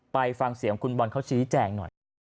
ไปฟังเสียงคุณบอลเขาชี้แจงหน่อย